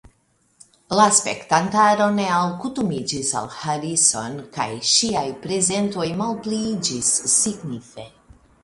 La spektantaro ne alkutimiĝis al Harrison kaj ŝiaj prezentoj malpliiĝis signife.